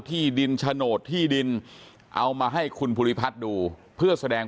ที่ดินโฉนดที่ดินเอามาให้คุณภูริพัฒน์ดูเพื่อแสดง